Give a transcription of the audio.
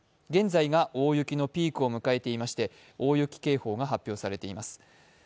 現在が大雪のピークを迎えていまして、大雪警報が発表されています。